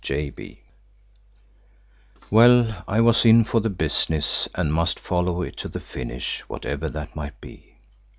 —JB] Well, I was in for the business and must follow it to the finish whatever that might be.